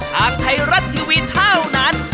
ทางไทยรัฐทีวีเท่านั้น